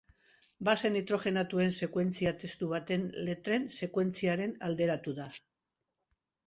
Base nitrogenatuen sekuentzia testu baten letren sekuentziarekin alderatu da.